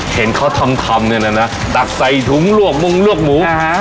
เห็นเขาทำทำเนี้ยน่ะนะตักใส่ถุงลวกมงลวกหมูอ่า